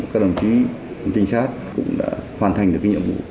các đồng chí trinh sát cũng đã hoàn thành được cái nhiệm vụ